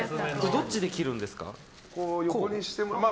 どっちで切るんですか？